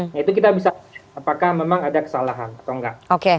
nah itu kita bisa lihat apakah memang ada kesalahan atau enggak